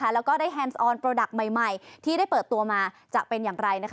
แล้วก็ได้แฮมสออนโปรดักต์ใหม่ที่ได้เปิดตัวมาจะเป็นอย่างไร